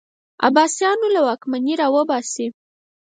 د عباسیانو له واکمني راوباسي